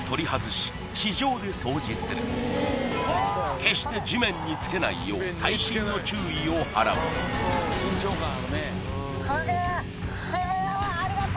決して地面につけないよう細心の注意を払うすげえ